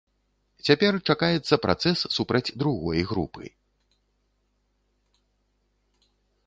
Цяпер чакаецца працэс супраць другой групы.